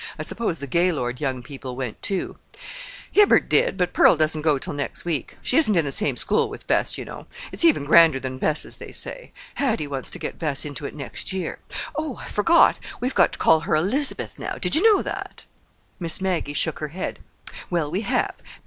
"I suppose the Gaylord young people went, too." "Hibbard did, but Pearl doesn't go till next week. She isn't in the same school with Bess, you know. It's even grander than Bess's they say. Hattie wants to get Bess into it next year. Oh, I forgot; we've got to call her 'Elizabeth' now. Did you know that?" Miss Maggie shook her head. "Well, we have.